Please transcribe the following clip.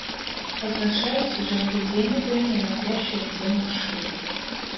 Адзначаюць жа гэты дзень у краіне найперш як дзень мужчын.